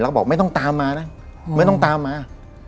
แล้วก็บอกไม่ต้องตามมานะไม่ต้องตามมา